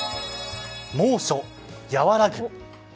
猛暑和らぐ。